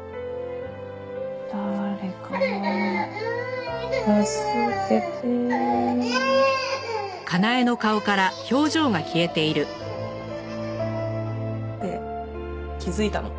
「誰か助けて」で気づいたの。